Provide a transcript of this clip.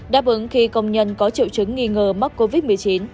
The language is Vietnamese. đáp ứng khi công nhân có triệu chứng nghi ngờ mắc covid một mươi chín